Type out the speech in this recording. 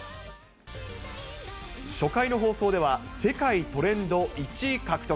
初回の放送では、世界トレンド１位獲得。